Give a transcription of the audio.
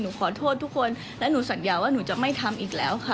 ขอโทษทุกคนและหนูสัญญาว่าหนูจะไม่ทำอีกแล้วค่ะ